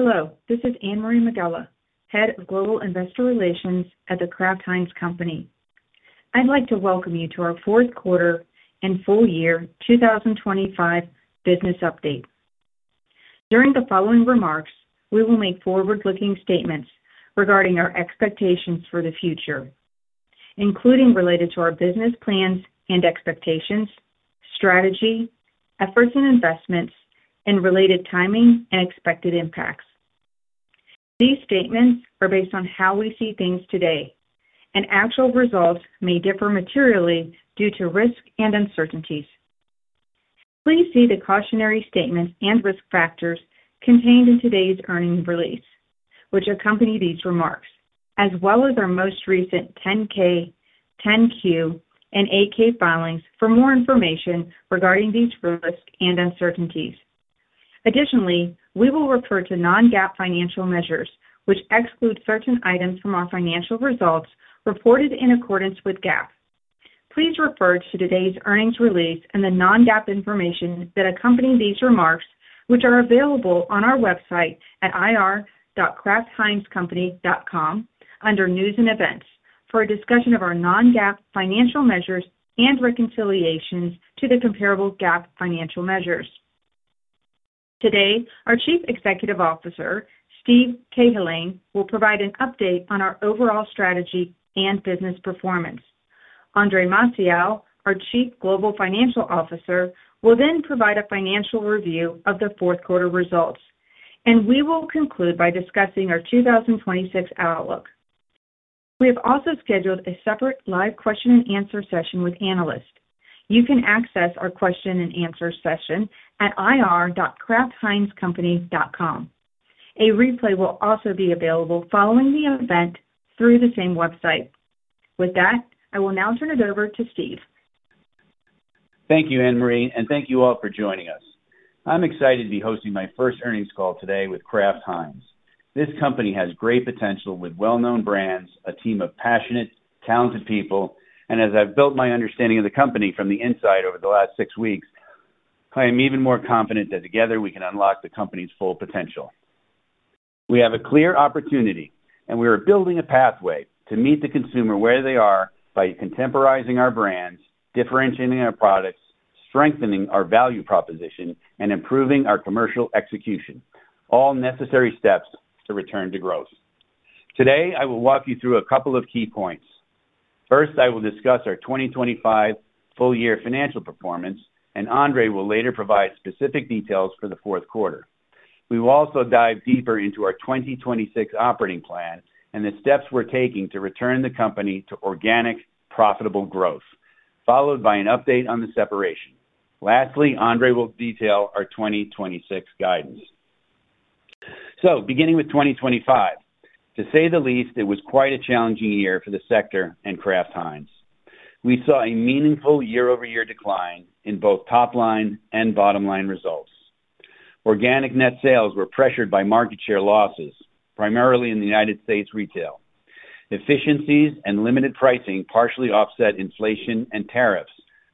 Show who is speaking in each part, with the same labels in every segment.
Speaker 1: Hello, this is Anne-Marie Megela, Head of Global Investor Relations at The Kraft Heinz Company. I'd like to welcome you to our fourth quarter and full-year 2025 business update. During the following remarks, we will make forward-looking statements regarding our expectations for the future, including related to our business plans and expectations, strategy, efforts and investments, and related timing and expected impacts. These statements are based on how we see things today, and actual results may differ materially due to risk and uncertainties. Please see the cautionary statements and risk factors contained in today's earnings release, which accompany these remarks, as well as our most recent 10-K, 10-Q, and 8-K filings for more information regarding these risks and uncertainties. Additionally, we will refer to non-GAAP financial measures, which exclude certain items from our financial results reported in accordance with GAAP. Please refer to today's earnings release and the non-GAAP information that accompany these remarks, which are available on our website at ir.kraftheinzcompany.com under News and Events for a discussion of our non-GAAP financial measures and reconciliations to the comparable GAAP financial measures. Today, our Chief Executive Officer, Steve Cahillane, will provide an update on our overall strategy and business performance. Andre Maciel, our Chief Global Financial Officer, will then provide a financial review of the fourth quarter results, and we will conclude by discussing our 2026 outlook. We have also scheduled a separate live question-and-answer session with analysts. You can access our question-and-answer session at ir.kraftheinzcompany.com. A replay will also be available following the event through the same website. With that, I will now turn it over to Steve.
Speaker 2: Thank you, Anne-Marie, and thank you all for joining us. I'm excited to be hosting my first earnings call today with Kraft Heinz. This company has great potential with well-known brands, a team of passionate, talented people, and as I've built my understanding of the company from the inside over the last six weeks, I am even more confident that together we can unlock the company's full potential. We have a clear opportunity, and we are building a pathway to meet the consumer where they are by contemporizing our brands, differentiating our products, strengthening our value proposition, and improving our commercial execution, all necessary steps to return to growth. Today, I will walk you through a couple of key points. First, I will discuss our 2025 full-year financial performance, and Andre will later provide specific details for the fourth quarter. We will also dive deeper into our 2026 operating plan and the steps we're taking to return the company to organic, profitable growth, followed by an update on the separation. Lastly, Andre will detail our 2026 guidance. So, beginning with 2025, to say the least, it was quite a challenging year for the sector and Kraft Heinz. We saw a meaningful year-over-year decline in both top-line and bottom-line results. Organic net sales were pressured by market share losses, primarily in the United States retail. Efficiencies and limited pricing partially offset inflation and tariffs,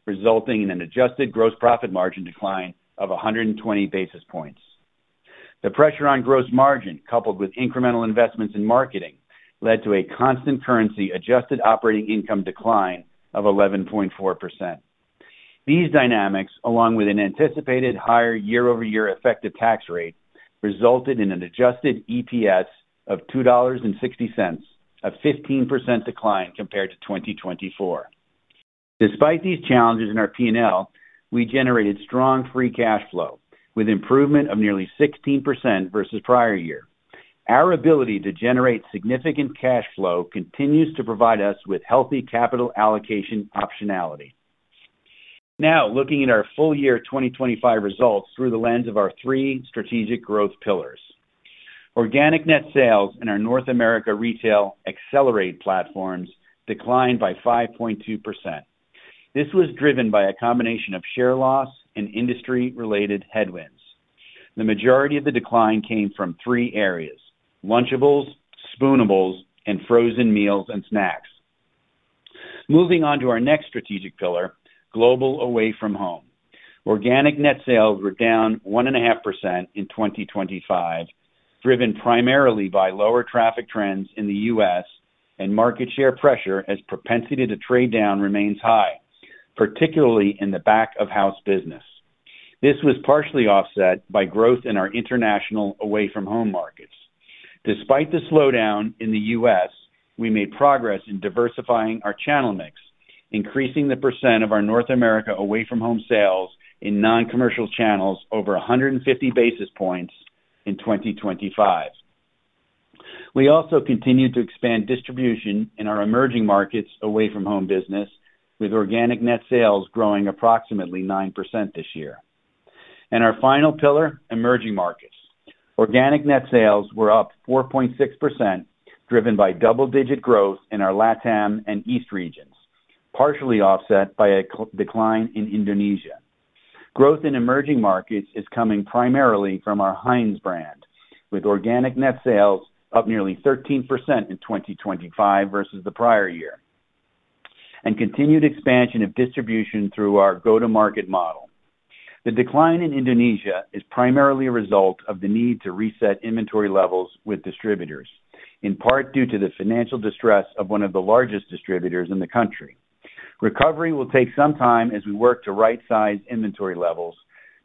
Speaker 2: resulting in an adjusted gross profit margin decline of 120 basis points. The pressure on gross margin, coupled with incremental investments in marketing, led to a constant currency adjusted operating income decline of 11.4%. These dynamics, along with an anticipated higher year-over-year effective tax rate, resulted in an Adjusted EPS of $2.60, a 15% decline compared to 2024. Despite these challenges in our P&L, we generated strong Free Cash Flow with improvement of nearly 16% versus prior year. Our ability to generate significant cash flow continues to provide us with healthy capital allocation optionality. Now, looking at our full-year 2025 results through the lens of our three strategic growth pillars, Organic Net Sales and our North America Retail accelerate platforms declined by 5.2%. This was driven by a combination of share loss and industry-related headwinds. The majority of the decline came from three areas: Lunchables, Spoonables, and frozen meals and snacks. Moving on to our next strategic pillar, Global Away From Home, organic net sales were down 1.5% in 2025, driven primarily by lower traffic trends in the U.S. and market share pressure as propensity to trade down remains high, particularly in the back-of-house business. This was partially offset by growth in our international away-from-home markets. Despite the slowdown in the U.S., we made progress in diversifying our channel mix, increasing the percent of our North America Away from Home sales in non-commercial channels over 150 basis points in 2025. We also continued to expand distribution in our Emerging Markets away-from-home business, with organic net sales growing approximately 9% this year. Our final pillar, Emerging Markets, organic net sales were up 4.6%, driven by double-digit growth in our LATAM and East regions, partially offset by a decline in Indonesia. Growth in Emerging Markets is coming primarily from our Heinz brand, with Organic Net Sales up nearly 13% in 2025 versus the prior year, and continued expansion of distribution through our go-to-market model. The decline in Indonesia is primarily a result of the need to reset inventory levels with distributors, in part due to the financial distress of one of the largest distributors in the country. Recovery will take some time as we work to right-size inventory levels,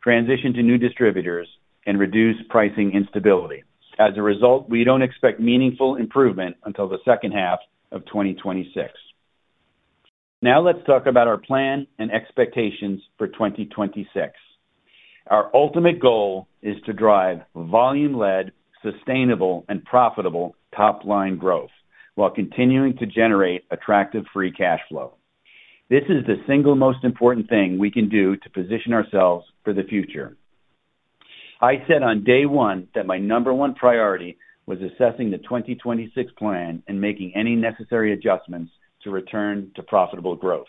Speaker 2: transition to new distributors, and reduce pricing instability. As a result, we don't expect meaningful improvement until the second half of 2026. Now, let's talk about our plan and expectations for 2026. Our ultimate goal is to drive volume-led, sustainable, and profitable top-line growth while continuing to generate attractive Free Cash Flow. This is the single most important thing we can do to position ourselves for the future. I said on day one that my number one priority was assessing the 2026 plan and making any necessary adjustments to return to profitable growth.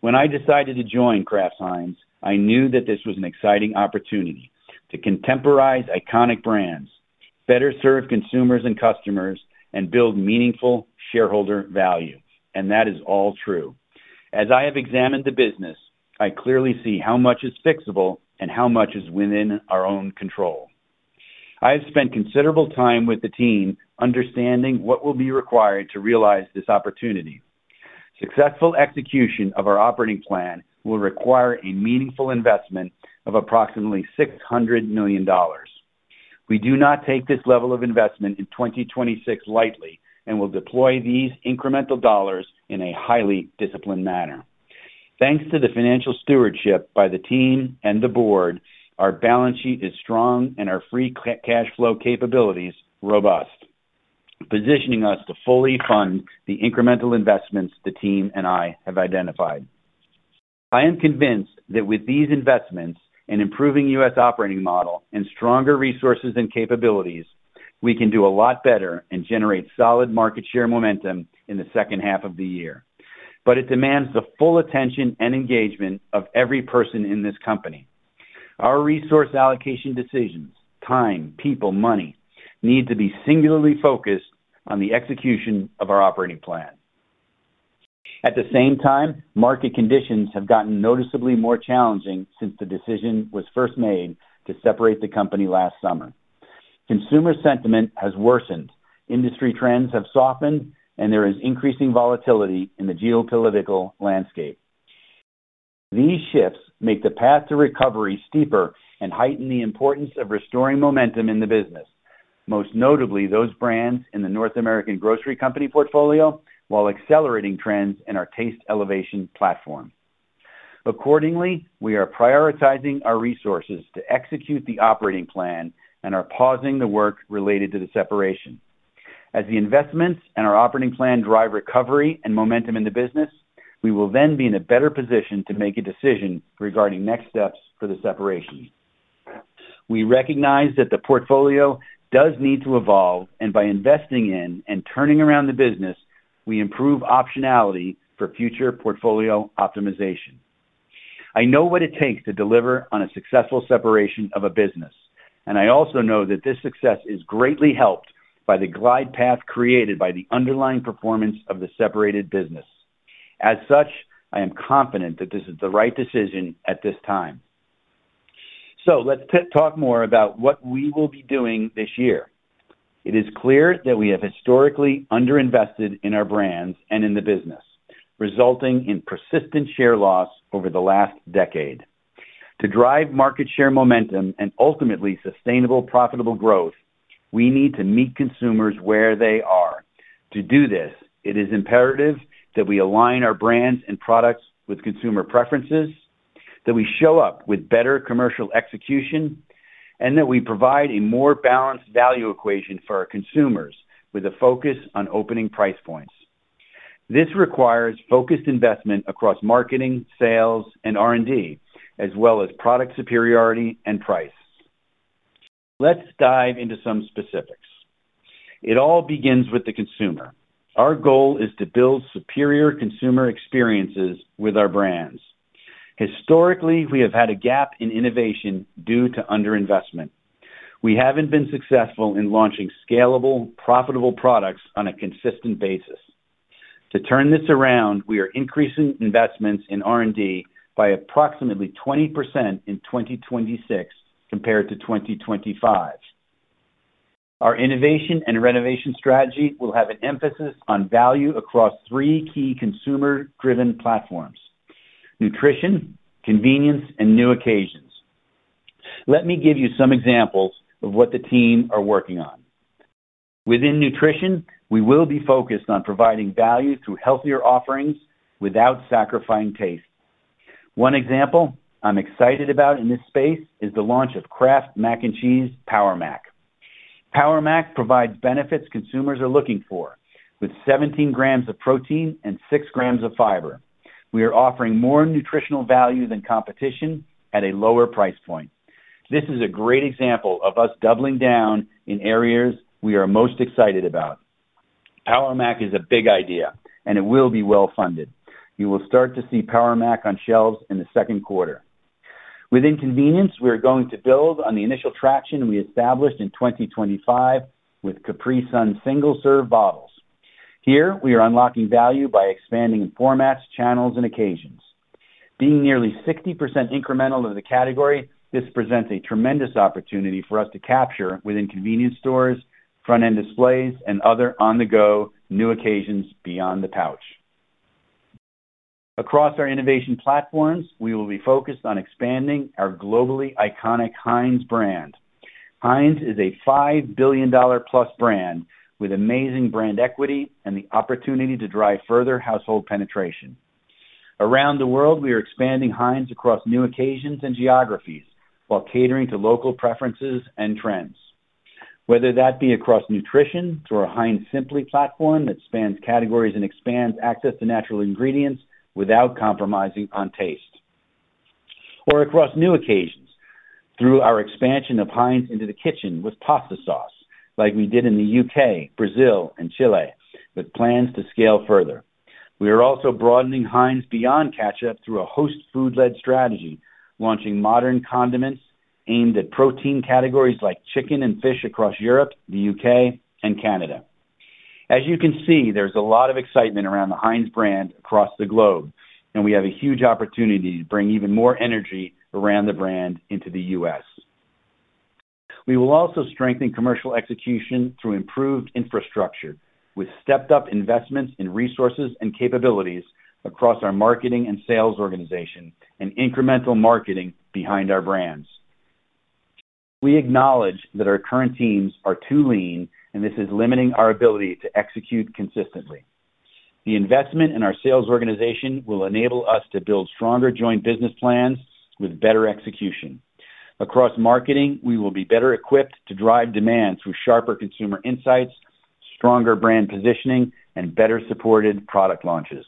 Speaker 2: When I decided to join Kraft Heinz, I knew that this was an exciting opportunity to contemporize iconic brands, better serve consumers and customers, and build meaningful shareholder value, and that is all true. As I have examined the business, I clearly see how much is fixable and how much is within our own control. I have spent considerable time with the team understanding what will be required to realize this opportunity. Successful execution of our operating plan will require a meaningful investment of approximately $600 million. We do not take this level of investment in 2026 lightly and will deploy these incremental dollars in a highly disciplined manner. Thanks to the financial stewardship by the team and the board, our balance sheet is strong and our free cash flow capabilities robust, positioning us to fully fund the incremental investments the team and I have identified. I am convinced that with these investments and improving U.S. operating model and stronger resources and capabilities, we can do a lot better and generate solid market share momentum in the second half of the year. But it demands the full attention and engagement of every person in this company. Our resource allocation decisions (time, people, money) need to be singularly focused on the execution of our operating plan. At the same time, market conditions have gotten noticeably more challenging since the decision was first made to separate the company last summer. Consumer sentiment has worsened, industry trends have softened, and there is increasing volatility in the geopolitical landscape. These shifts make the path to recovery steeper and heighten the importance of restoring momentum in the business, most notably those brands in the North American Grocery Company portfolio while accelerating trends in our Taste Elevation platform. Accordingly, we are prioritizing our resources to execute the operating plan and are pausing the work related to the separation. As the investments and our operating plan drive recovery and momentum in the business, we will then be in a better position to make a decision regarding next steps for the separation. We recognize that the portfolio does need to evolve, and by investing in and turning around the business, we improve optionality for future portfolio optimization. I know what it takes to deliver on a successful separation of a business, and I also know that this success is greatly helped by the glide path created by the underlying performance of the separated business. As such, I am confident that this is the right decision at this time. Let's talk more about what we will be doing this year. It is clear that we have historically underinvested in our brands and in the business, resulting in persistent share loss over the last decade. To drive market share momentum and ultimately sustainable profitable growth, we need to meet consumers where they are. To do this, it is imperative that we align our brands and products with consumer preferences, that we show up with better commercial execution, and that we provide a more balanced value equation for our consumers with a focus on opening price points. This requires focused investment across marketing, sales, and R&D, as well as product superiority and price. Let's dive into some specifics. It all begins with the consumer. Our goal is to build superior consumer experiences with our brands. Historically, we have had a gap in innovation due to underinvestment. We haven't been successful in launching scalable, profitable products on a consistent basis. To turn this around, we are increasing investments in R&D by approximately 20% in 2026 compared to 2025. Our innovation and renovation strategy will have an emphasis on value across three key consumer-driven platforms: nutrition, convenience, and new occasions. Let me give you some examples of what the team are working on. Within nutrition, we will be focused on providing value through healthier offerings without sacrificing taste. One example I'm excited about in this space is the launch of Kraft Mac & Cheese Power Mac. Power Mac provides benefits consumers are looking for with 17 grams of protein and 6 grams of fiber. We are offering more nutritional value than competition at a lower price point. This is a great example of us doubling down in areas we are most excited about. Power Mac is a big idea, and it will be well-funded. You will start to see Power Mac on shelves in the second quarter. Within convenience, we are going to build on the initial traction we established in 2025 with Capri Sun single-serve bottles. Here, we are unlocking value by expanding in formats, channels, and occasions. Being nearly 60% incremental in the category, this presents a tremendous opportunity for us to capture within convenience stores, front-end displays, and other on-the-go new occasions beyond the pouch. Across our innovation platforms, we will be focused on expanding our globally iconic Heinz brand. Heinz is a $5 billion-plus brand with amazing brand equity and the opportunity to drive further household penetration. Around the world, we are expanding Heinz across new occasions and geographies while catering to local preferences and trends, whether that be across nutrition through our Heinz Simply platform that spans categories and expands access to natural ingredients without compromising on taste, or across new occasions through our expansion of Heinz into the kitchen with pasta sauce like we did in the UK, Brazil, and Chile with plans to scale further. We are also broadening Heinz beyond ketchup through a host food-led strategy, launching modern condiments aimed at protein categories like chicken and fish across Europe, the UK, and Canada. As you can see, there's a lot of excitement around the Heinz brand across the globe, and we have a huge opportunity to bring even more energy around the brand into the U.S. We will also strengthen commercial execution through improved infrastructure with stepped-up investments in resources and capabilities across our marketing and sales organization and incremental marketing behind our brands. We acknowledge that our current teams are too lean, and this is limiting our ability to execute consistently. The investment in our sales organization will enable us to build stronger joint business plans with better execution. Across marketing, we will be better equipped to drive demand through sharper consumer insights, stronger brand positioning, and better-supported product launches.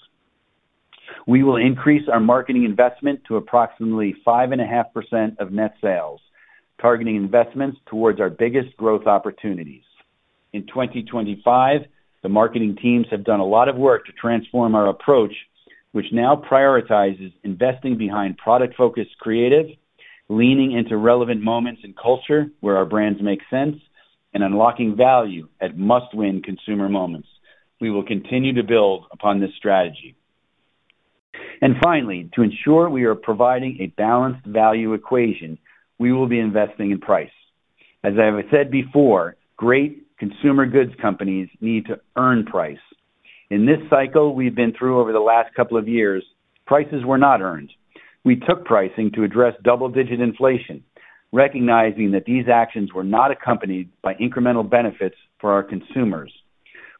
Speaker 2: We will increase our marketing investment to approximately 5.5% of net sales, targeting investments towards our biggest growth opportunities. In 2025, the marketing teams have done a lot of work to transform our approach, which now prioritizes investing behind product-focused creative, leaning into relevant moments and culture where our brands make sense, and unlocking value at must-win consumer moments. We will continue to build upon this strategy. Finally, to ensure we are providing a balanced value equation, we will be investing in price. As I have said before, great consumer goods companies need to earn price. In this cycle we've been through over the last couple of years, prices were not earned. We took pricing to address double-digit inflation, recognizing that these actions were not accompanied by incremental benefits for our consumers.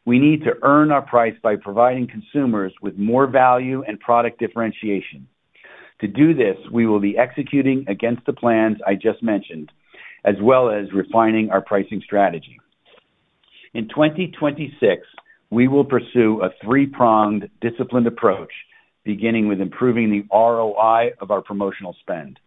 Speaker 2: We need to earn our price by providing consumers with more value and product differentiation. To do this, we will be executing against the plans I just mentioned, as well as refining our pricing strategy. In 2026, we will pursue a three-pronged disciplined approach, beginning with improving the ROI of our promotional spend.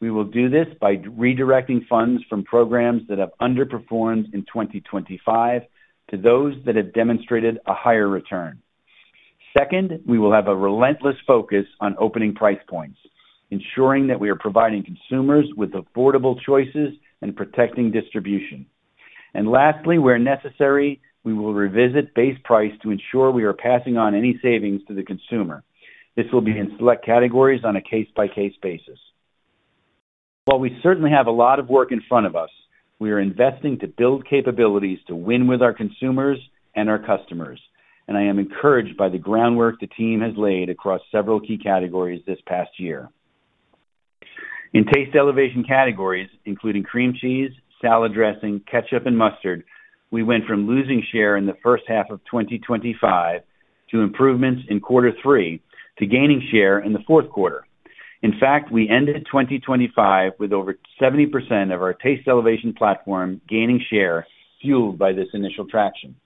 Speaker 2: We will do this by redirecting funds from programs that have underperformed in 2025 to those that have demonstrated a higher return. Second, we will have a relentless focus on opening price points, ensuring that we are providing consumers with affordable choices and protecting distribution. Lastly, where necessary, we will revisit base price to ensure we are passing on any savings to the consumer. This will be in select categories on a case-by-case basis. While we certainly have a lot of work in front of us, we are investing to build capabilities to win with our consumers and our customers, and I am encouraged by the groundwork the team has laid across several key categories this past year. In Taste Elevation categories, including cream cheese, salad dressing, ketchup, and mustard, we went from losing share in the first half of 2025 to improvements in quarter three to gaining share in the fourth quarter. In fact, we ended 2025 with over 70% of our Taste Elevation platform gaining share, fueled by this initial traction.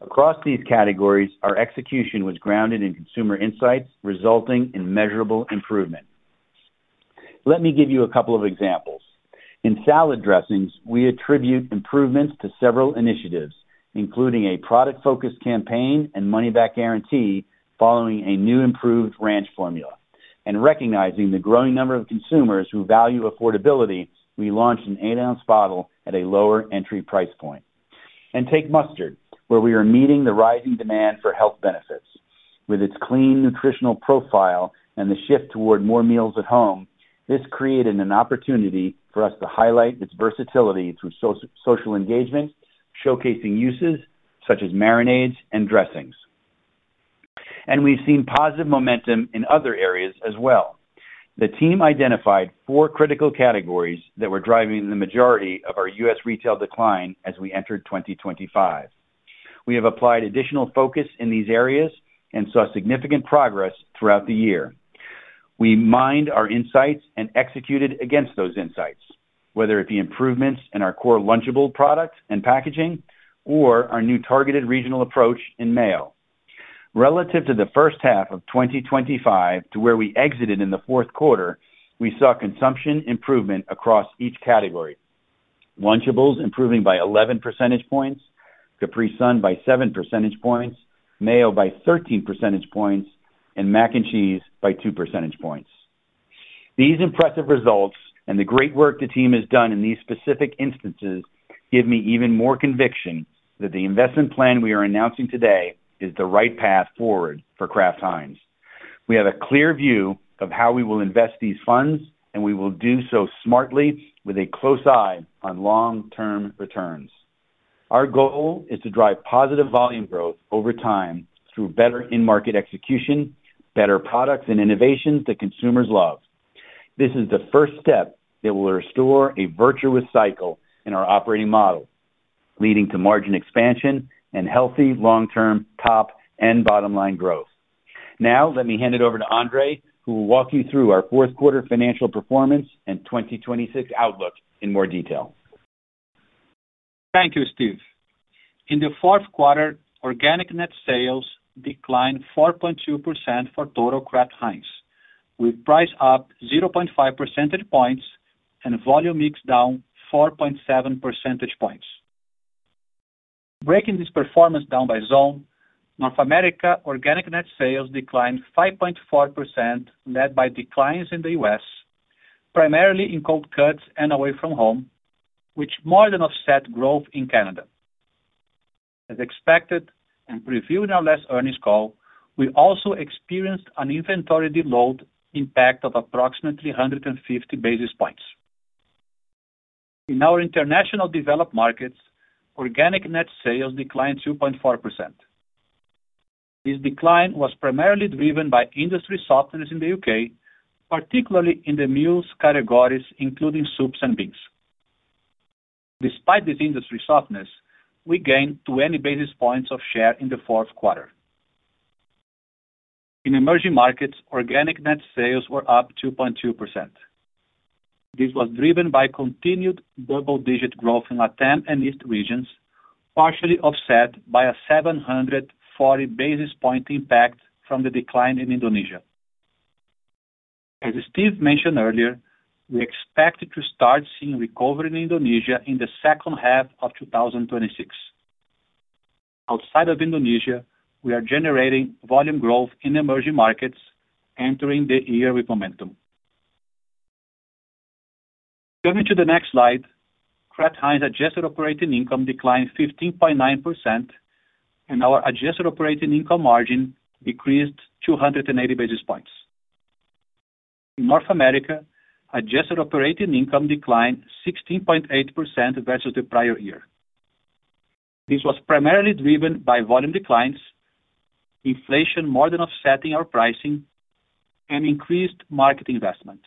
Speaker 2: Across these categories, our execution was grounded in consumer insights, resulting in measurable improvement. Let me give you a couple of examples. In salad dressings, we attribute improvements to several initiatives, including a product-focused campaign and money-back guarantee following a new improved ranch formula, and recognizing the growing number of consumers who value affordability, we launched an eight-ounce bottle at a lower entry price point. Take mustard, where we are meeting the rising demand for health benefits. With its clean nutritional profile and the shift toward more meals at home, this created an opportunity for us to highlight its versatility through social engagement, showcasing uses such as marinades and dressings. We've seen positive momentum in other areas as well. The team identified four critical categories that were driving the majority of our U.S. retail decline as we entered 2025. We have applied additional focus in these areas and saw significant progress throughout the year. We mined our insights and executed against those insights, whether it be improvements in our core Lunchables product and packaging or our new targeted regional approach in meal. Relative to the first half of 2025 to where we exited in the fourth quarter, we saw consumption improvement across each category: Lunchables improving by 11 percentage points, Capri Sun by 7 percentage points, mayo by 13 percentage points, and mac and cheese by 2 percentage points. These impressive results and the great work the team has done in these specific instances give me even more conviction that the investment plan we are announcing today is the right path forward for Kraft Heinz. We have a clear view of how we will invest these funds, and we will do so smartly with a close eye on long-term returns. Our goal is to drive positive volume growth over time through better in-market execution, better products, and innovations that consumers love. This is the first step that will restore a virtuous cycle in our operating model, leading to margin expansion and healthy long-term top and bottom line growth. Now, let me hand it over to Andre, who will walk you through our fourth quarter financial performance and 2026 outlook in more detail.
Speaker 3: Thank you, Steve. In the fourth quarter, organic net sales declined 4.2% for total Kraft Heinz, with price up 0.5 percentage points and volume mix down 4.7 percentage points. Breaking this performance down by zone, North America organic net sales declined 5.4% led by declines in the U.S., primarily in cold cuts and away from home, which more than offset growth in Canada. As expected and previewed in our last earnings call, we also experienced an inventory de-load impact of approximately 150 basis points. International Developed Markets, organic net sales declined 2.4%. This decline was primarily driven by industry softness in the U.K., particularly in the meals categories including soups and beans. Despite this industry softness, we gained 20 basis points of share in the fourth quarter. In Emerging Markets, organic net sales were up 2.2%. This was driven by continued double-digit growth in LATAM and EAST regions, partially offset by a 740 basis point impact from the decline in Indonesia. As Steve mentioned earlier, we expect to start seeing recovery in Indonesia in the second half of 2026. Outside of Indonesia, we are generating volume growth in Emerging Markets, entering the year with momentum. Moving to the next slide, Kraft Heinz adjusted operating income declined 15.9%, and our adjusted operating income margin decreased 280 basis points. In North America, adjusted operating income declined 16.8% versus the prior year. This was primarily driven by volume declines, inflation more than offsetting our pricing, and increased market investment.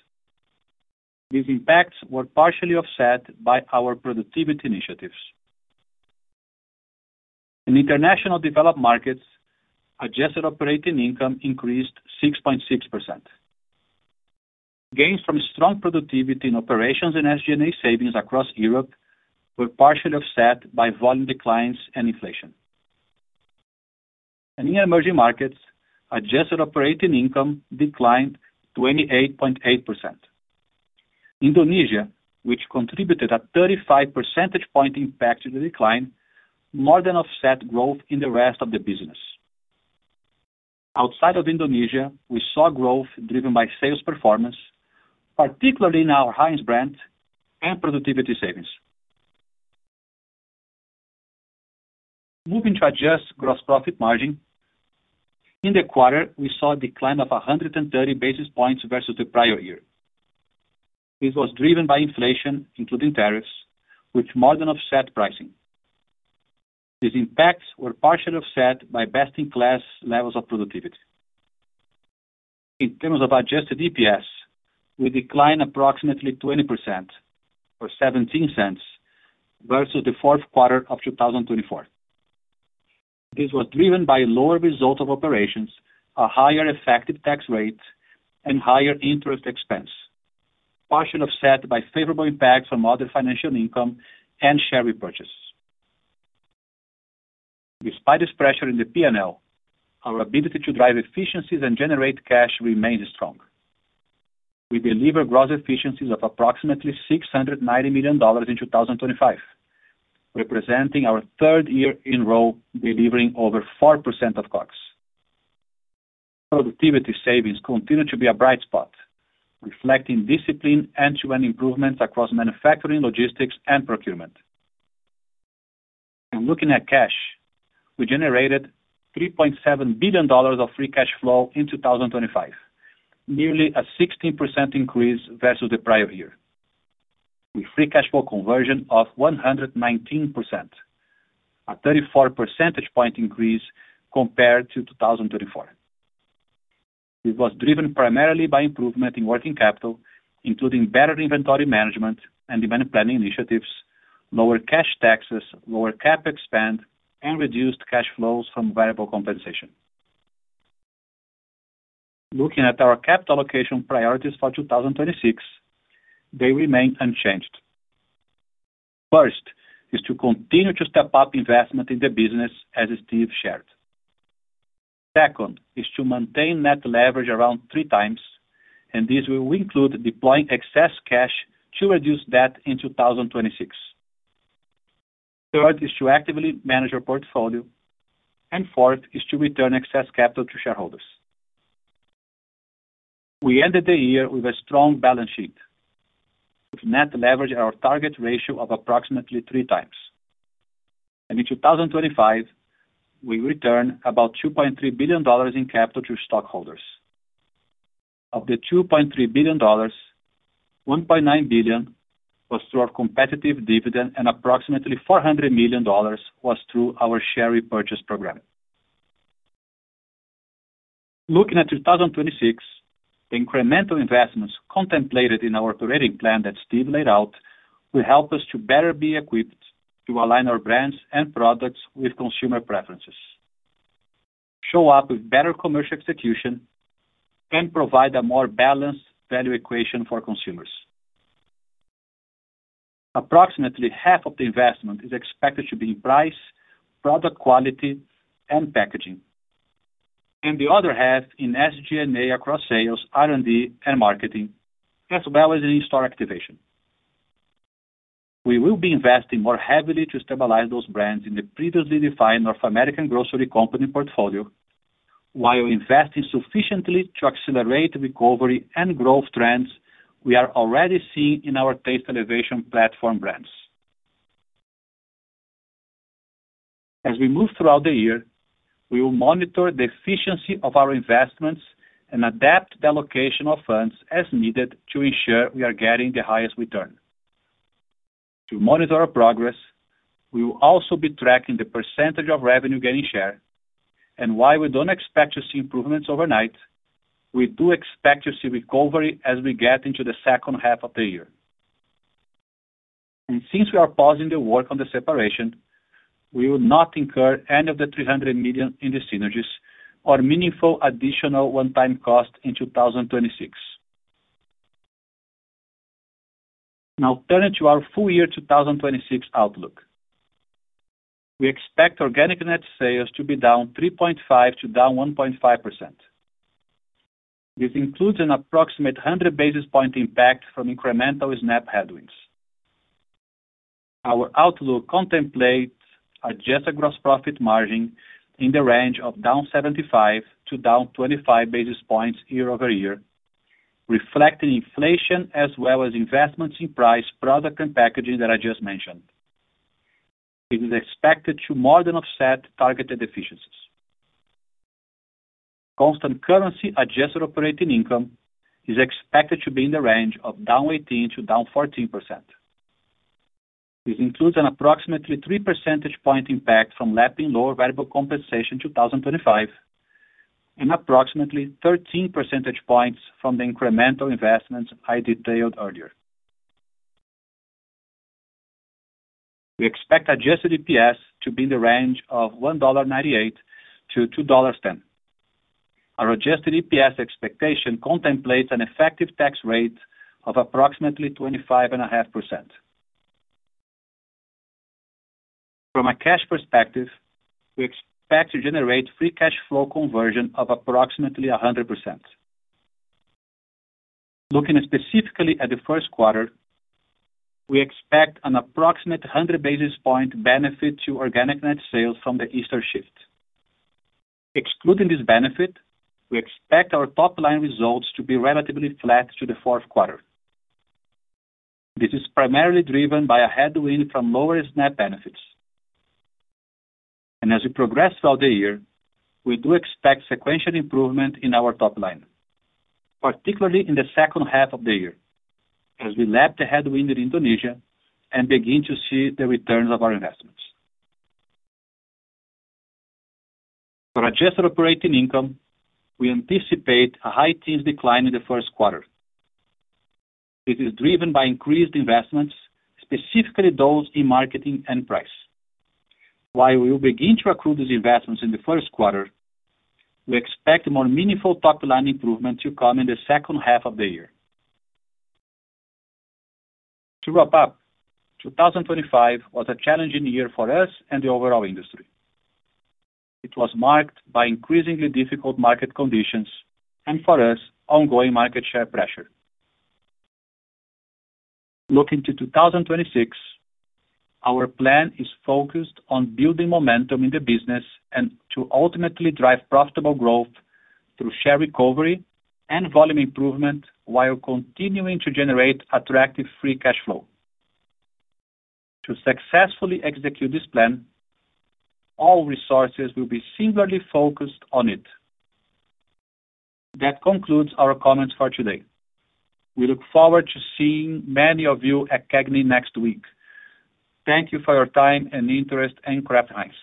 Speaker 3: These impacts were partially offset by our productivity initiatives. In International Developed Markets, adjusted operating income increased 6.6%. Gains from strong productivity in operations and SG&A savings across Europe were partially offset by volume declines and inflation. In Emerging Markets, adjusted operating income declined 28.8%. Indonesia, which contributed a 35 percentage point impact to the decline, more than offset growth in the rest of the business. Outside of Indonesia, we saw growth driven by sales performance, particularly in our Heinz brand and productivity savings. Moving to adjusted gross profit margin, in the quarter we saw a decline of 130 basis points versus the prior year. This was driven by inflation, including tariffs, which more than offset pricing. These impacts were partially offset by best-in-class levels of productivity. In terms of Adjusted EPS, we declined approximately 20% or $0.17 versus the fourth quarter of 2024. This was driven by a lower result of operations, a higher effective tax rate, and higher interest expense, partially offset by favorable impacts from other financial income and share repurchases. Despite this pressure in the P&L, our ability to drive efficiencies and generate cash remains strong. We deliver gross efficiencies of approximately $690 million in 2025, representing our third year in a row delivering over 4% of COGS. Productivity savings continue to be a bright spot, reflecting discipline and end-to-end improvements across manufacturing, logistics, and procurement. Looking at cash, we generated $3.7 billion of Free Cash Flow in 2025, nearly a 16% increase versus the prior year, with Free Cash Flow conversion of 119%, a 34 percentage point increase compared to 2024. This was driven primarily by improvement in working capital, including better inventory management and demand planning initiatives, lower cash taxes, lower CapEx, and reduced cash flows from variable compensation. Looking at our capital allocation priorities for 2026, they remain unchanged. First is to continue to step up investment in the business, as Steve shared. Second is to maintain net leverage around three times, and this will include deploying excess cash to reduce debt in 2026. Third is to actively manage our portfolio, and fourth is to return excess capital to shareholders. We ended the year with a strong balance sheet, with net leverage at our target ratio of approximately three times. In 2025, we returned about $2.3 billion in capital to stockholders. Of the $2.3 billion, $1.9 billion was through our competitive dividend, and approximately $400 million was through our share repurchase program. Looking at 2026, incremental investments contemplated in our operating plan that Steve laid out will help us to better be equipped to align our brands and products with consumer preferences, show up with better commercial execution, and provide a more balanced value equation for consumers. Approximately half of the investment is expected to be in price, product quality, and packaging, and the other half in SG&A across sales, R&D, and marketing, as well as in-store activation. We will be investing more heavily to stabilize those brands in the previously defined North American grocery company portfolio, while investing sufficiently to accelerate recovery and growth trends we are already seeing in our Taste Elevation platform brands. As we move throughout the year, we will monitor the efficiency of our investments and adapt the allocation of funds as needed to ensure we are getting the highest return. To monitor our progress, we will also be tracking the percentage of revenue getting share, and while we don't expect to see improvements overnight, we do expect to see recovery as we get into the second half of the year. Since we are pausing the work on the separation, we will not incur any of the $300 million in the synergies or meaningful additional one-time cost in 2026. Now, turning to our full year 2026 outlook. We expect organic net sales to be down 3.5%-1.5%. This includes an approximate 100 basis points impact from incremental SNAP headwinds. Our outlook contemplates adjusted gross profit margin in the range of down 75-25 basis points year-over-year, reflecting inflation as well as investments in price, product, and packaging that I just mentioned. This is expected to more than offset targeted efficiencies. Constant currency adjusted operating income is expected to be in the range of down 18%-down 14%. This includes an approximately 3 percentage point impact from lapping lower variable compensation 2025 and approximately 13 percentage points from the incremental investments I detailed earlier. We expect adjusted EPS to be in the range of $1.98-$2.10. Our adjusted EPS expectation contemplates an effective tax rate of approximately 25.5%. From a cash perspective, we expect to generate free cash flow conversion of approximately 100%. Looking specifically at the first quarter, we expect an approximate 100 basis point benefit to organic net sales from the Easter shift. Excluding this benefit, we expect our top line results to be relatively flat to the fourth quarter. This is primarily driven by a headwind from lower SNAP benefits. As we progress throughout the year, we do expect sequential improvement in our top line, particularly in the second half of the year as we lap the headwind in Indonesia and begin to see the returns of our investments. For adjusted operating income, we anticipate a high-teens decline in the first quarter. This is driven by increased investments, specifically those in marketing and price. While we will begin to recruit these investments in the first quarter, we expect more meaningful top line improvement to come in the second half of the year. To wrap up, 2025 was a challenging year for us and the overall industry. It was marked by increasingly difficult market conditions and, for us, ongoing market share pressure. Looking to 2026, our plan is focused on building momentum in the business and to ultimately drive profitable growth through share recovery and volume improvement while continuing to generate attractive free cash flow. To successfully execute this plan, all resources will be singularly focused on it. That concludes our comments for today. We look forward to seeing many of you at CAGNI next week. Thank you for your time and interest in Kraft Heinz.